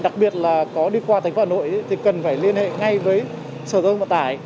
đặc biệt là có đi qua thành phố hà nội thì cần phải liên hệ ngay với sở giao thông vận tải